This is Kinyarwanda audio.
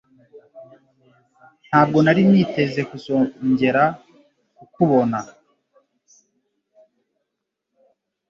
Ntabwo nari niteze kuzongera kukubona.